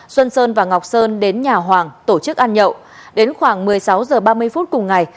xuân sơn và ngọc sơn đến nhà hoàng tổ chức ăn nhậu đến khoảng một mươi sáu h ba mươi phút cùng ngày